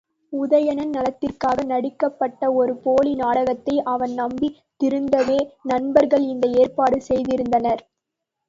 உதயணன் நலத்திற்காக நடிக்கப்பட்ட ஒரு போலி நாடகத்தை அவன் நம்பித் திருந்தவே, நண்பர்கள் இந்த ஏற்பாடு செய்திருந்தனர்.